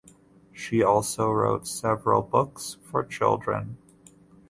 She also wrote several books for children.